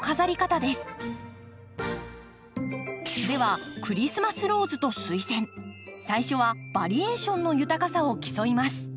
ではクリスマスローズとスイセン最初はバリエーションの豊かさを競います。